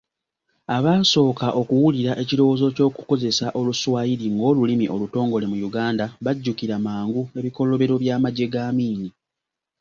Abasooka okuwulira ekirowoozo eky'okukozesa oluswayiri ng'olulimi olutongole mu Uganda bajjukira mangu ebikolobero by'amagye ga Amin.